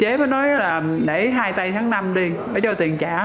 hôm nay tháng năm đi bà cho tiền trả